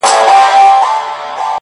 o ځکه چي ماته يې زړگی ويلی،